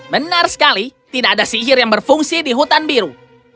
benar sekali tidak ada sihir yang berfungsi di hutan biru